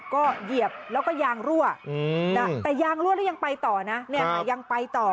ก็เหยียบแล้วก็ยางรั่วแต่ยางรั่วแล้วยังไปต่อนะเนี้ยค่ะ